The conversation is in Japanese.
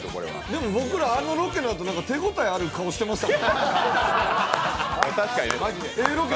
でもあのロケのあと、手応えある顔してました。